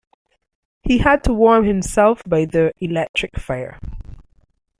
He had to warm himself by the electric fire